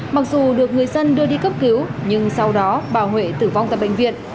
mặc dù được người dân đưa đi cấp cứu nhưng sau đó bà huệ tử vong tại bệnh viện